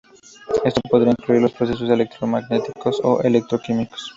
Esto podría incluir los procesos electromecánicos o electroquímicos.